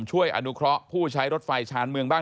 อนุเคราะห์ผู้ใช้รถไฟชาญเมืองบ้าง